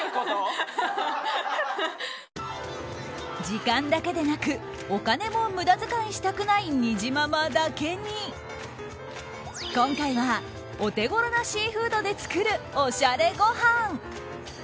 時間だけでなくお金も無駄遣いしたくないにじままだけに今回はお手頃なシーフードで作るおしゃれごはん。